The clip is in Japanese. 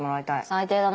最低だな。